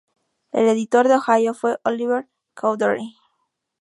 El editor en Ohio fue Oliver Cowdery.